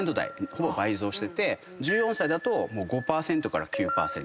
ほぼ倍増してて１４歳だと５％から９％。